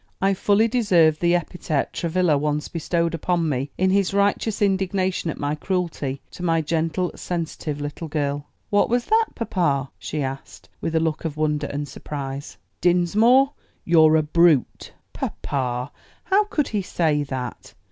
I fully deserved the epithet Travilla once bestowed upon me in his righteous indignation at my cruelty to my gentle, sensitive little girl." "What was that, papa?" she asked, with a look of wonder and surprise. "Dinsmore, you're a brute!" "Papa, how could he say that!"